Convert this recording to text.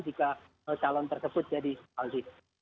jika calon tersebut jadi hal ini